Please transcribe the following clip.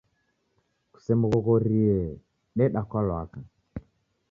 Kusemghoghorie, deda kwa lwaka